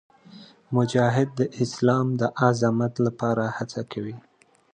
مجاهد د اسلام د عظمت لپاره هڅه کوي.